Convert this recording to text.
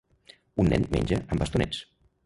Un nen menja amb bastonets.